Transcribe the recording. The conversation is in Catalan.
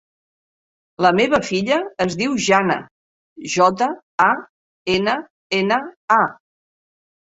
La meva filla es diu Janna: jota, a, ena, ena, a.